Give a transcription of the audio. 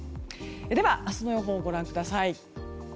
では、明日の予報をご覧ください。